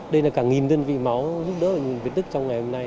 đây là cả một đơn vị máu giúp đỡ bệnh viện việt đức trong ngày hôm nay